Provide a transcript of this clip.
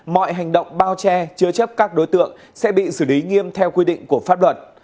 mọi hành động bao che chứa chấp các đối tượng sẽ bị xử lý nghiêm theo quy định của pháp luật